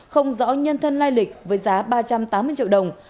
không rõ nhân thân lai lịch với giá ba trăm tám mươi triệu đồng